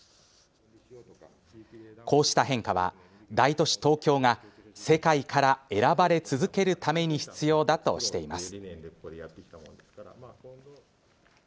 こうした変化は大都市・東京が世界から選ばれ続けるために必要だとしています。